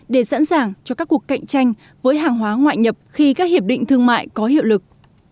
để sẵn sàng cho các cuộc cạnh tranh với hàng hóa ngoại nhập khi các hiệp định thương mại có hiệu lực